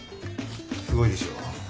すごいでしょう。